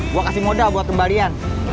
gue kasih modal buat kembalian